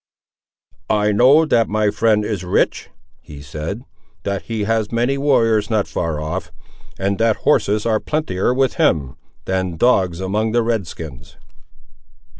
"I know that my friend is rich," he said; "that he has many warriors not far off, and that horses are plentier with him, than dogs among the red skins."